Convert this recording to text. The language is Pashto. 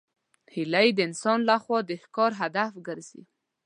هیلۍ د انسان له خوا د ښکار هدف ګرځي